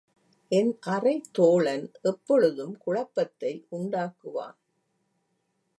என் அறைத்தோழன் எப்பொழுதும் குழப்பத்தை உண்டாக்குவான்.